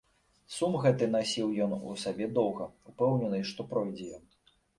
Сум гэты насіў ён у сабе доўга, упэўнены, што пройдзе ён.